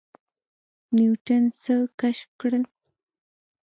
نیوټن څه کشف کړل؟